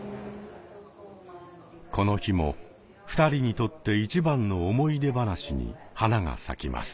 この日も２人にとって一番の思い出話に花が咲きます。